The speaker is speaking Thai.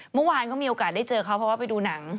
เมื่อวานเขามีโอกาสได้เจอเขาเพราะว่าไปดูหนัง